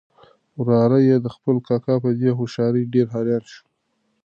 وراره یې د خپل کاکا په دې هوښیارۍ ډېر حیران شو.